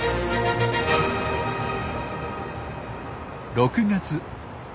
６月。